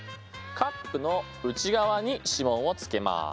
カップの内側に指紋をつけます。